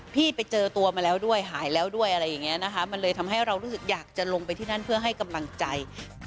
ไปเจอตัวมาแล้วด้วยหายแล้วด้วยอะไรอย่างนี้นะคะมันเลยทำให้เรารู้สึกอยากจะลงไปที่นั่นเพื่อให้กำลังใจ